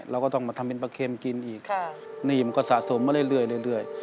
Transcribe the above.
เราก็ต้องมาทำเป็นปลาเค็มกินอีกค่ะนี่มันก็สะสมมาเรื่อยเรื่อยเรื่อย